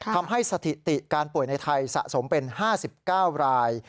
สถิติการป่วยในไทยสะสมเป็น๕๙ราย